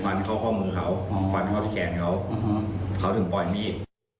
ฟันเข้าที่แขนเขาเขาถึงปล่อยมีด